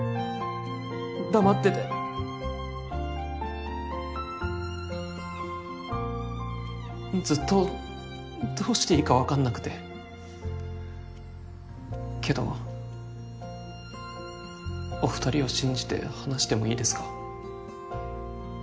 黙っててずっとどうしていいか分かんなくてけどお二人を信じて話してもいいですか？